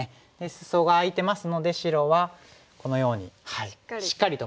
スソが空いてますので白はこのようにしっかりと守る。